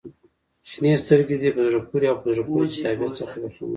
• شنې سترګې د په زړه پورې او په زړه پورې جذابیت څخه برخمنې دي.